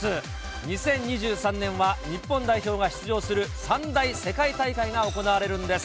２０２３年は、日本代表が出場する三大世界大会が行われるんです。